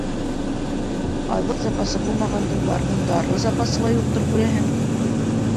Аҙыҡ запасы булмағанды уларҙың дары запасы ла юҡтыр, күрәһең.